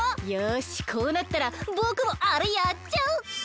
よしこうなったらぼくもあれやっちゃう！